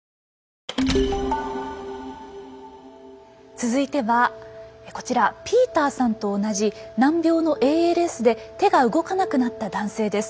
続いてはこちらピーターさんと同じ難病のＡＬＳで手が動かなくなった男性です。